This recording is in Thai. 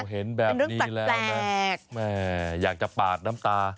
เห็นแบบนี้แล้วนะแม่อยากจะปาดน้ำตา